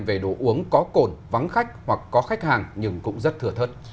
về đồ uống có cổn vắng khách hoặc có khách hàng nhưng cũng rất thừa thất